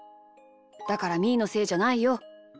だからみーのせいじゃないよ。